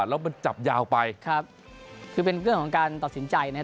แล้วมันจับยาวไปครับคือเป็นเรื่องของการตัดสินใจนะครับ